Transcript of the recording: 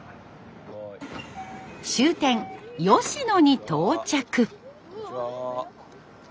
終点吉野に到着。